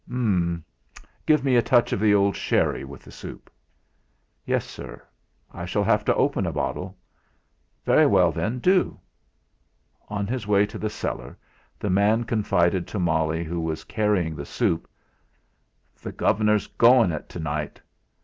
"Ummm! Give me a touch of the old sherry with the soup." "Yes, sir. I shall have to open a bottle:" "Very well, then, do!" On his way to the cellar the man confided to Molly, who was carrying the soup: "The Gov'nor's going it to night!